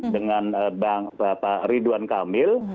dengan ridwan kamil